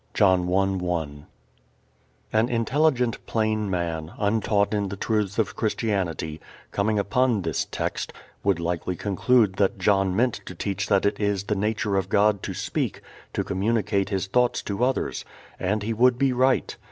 John 1:1 An intelligent plain man, untaught in the truths of Christianity, coming upon this text, would likely conclude that John meant to teach that it is the nature of God to speak, to communicate His thoughts to others. And he would be right.